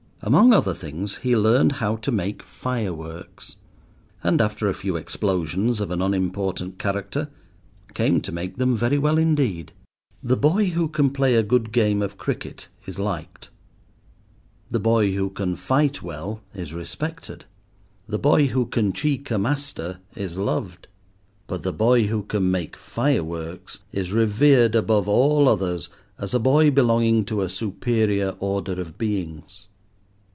Among other things he learned how to make fireworks, and after a few explosions of an unimportant character, came to make them very well indeed. The boy who can play a good game of cricket is liked. The boy who can fight well is respected. The boy who can cheek a master is loved. But the boy who can make fireworks is revered above all others as a boy belonging to a superior order of beings.